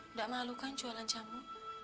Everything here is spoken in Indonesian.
enggak malu kan jualan jamu